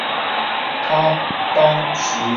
当时她是世界最大的赛渔艇。